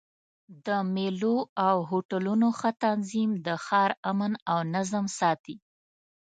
د مېلو او هوټلونو ښه تنظیم د ښار امن او نظم ساتي.